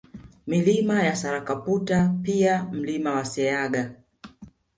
Milima ya Sarakaputa pia Mlima wa Sayaga